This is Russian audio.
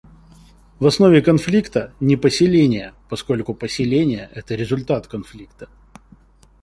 В основе конфликта — не поселения, поскольку поселения — это результат конфликта.